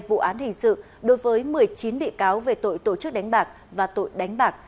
vụ án hình sự đối với một mươi chín bị cáo về tội tổ chức đánh bạc và tội đánh bạc